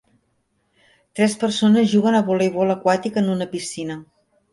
Tres persones juguen a voleibol aquàtic en una piscina